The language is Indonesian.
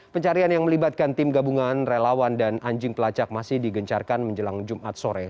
pencarian yang melibatkan tim gabungan relawan dan anjing pelacak masih digencarkan menjelang jumat sore